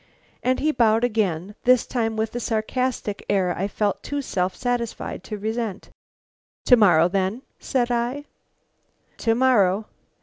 And he bowed again, this time with a sarcastic air I felt too self satisfied to resent. "To morrow, then?" said I. "To morrow."